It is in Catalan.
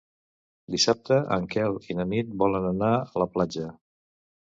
Dissabte en Quel i na Nit volen anar a la platja.